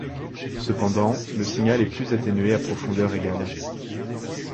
Cependant, le signal est plus atténué à profondeur égale.